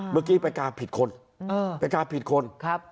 เมื่อกี้ไปกาผิดคนไปกาผิดคน